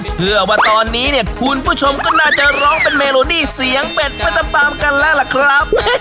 เชื่อว่าตอนนี้เนี่ยคุณผู้ชมก็น่าจะร้องเป็นเมโลดี้เสียงเป็ดไปตามกันแล้วล่ะครับ